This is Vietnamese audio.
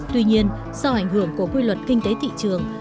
tuy nhiên sau ảnh hưởng của quy luật kinh tế thị trường